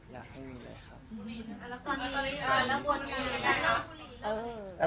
อยากให้มีเลยครับ